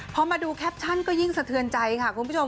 พอมาดูแคปชั่นก็ยิ่งสะเทือนใจค่ะคุณผู้ชม